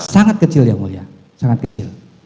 sangat kecil ya mulia sangat kecil